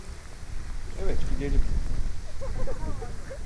Evet, gidelim.